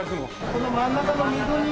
この真ん中の溝に。